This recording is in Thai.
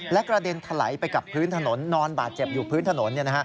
และกระเด็นถลายไปกับพื้นถนนนอนบาดเจ็บอยู่พื้นถนน